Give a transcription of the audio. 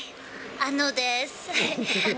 あのです。